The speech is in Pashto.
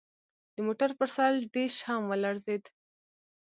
د موټر پر سر ډیش هم ولړزید